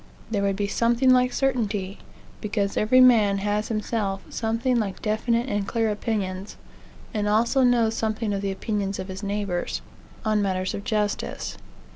There would be something like certainty, because every man has himself something like definite and clear opinions, and also knows something of the opinions of his neighbors, on matters of justice.